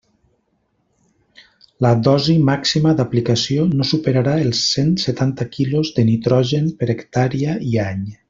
La dosi màxima d'aplicació no superarà els cent setanta quilos de nitrogen per hectàrea i any.